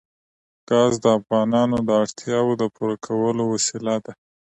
ګاز د افغانانو د اړتیاوو د پوره کولو وسیله ده.